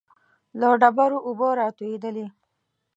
له ډبرو اوبه را تويېدلې.